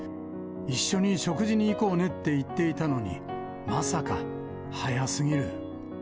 一緒に食事に行こうねって言っていたのに、まさか、早すぎる。